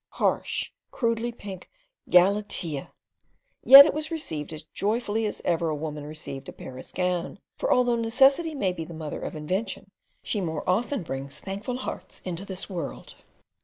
Harsh, crudely pink, galatea! Yet it was received as joyfully as ever a woman received a Paris gown; for although necessity may be the mother of invention, she more often brings thankful hearts into this world.